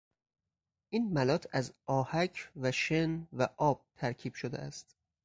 این ملات از آهک و شن و آب ترکیب شده است.